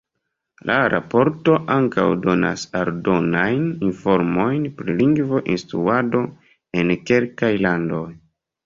La raporto ankaŭ donas aldonajn informojn pri lingvo-instruado en kelkaj landoj.